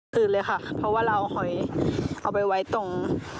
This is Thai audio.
ตื่นเลยค่ะเพราะว่าเราเอาหอยเอาไปไว้ตรง